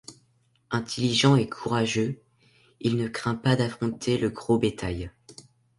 Intelligent et courageux, il ne craint pas d'affronter le gros bétail.